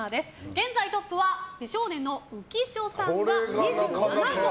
現在トップは美少年の浮所さんが２７個。